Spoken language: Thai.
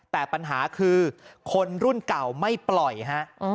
แต่ปัญหาคือคนรุ่นเก่าไม่ปล่อยฮะ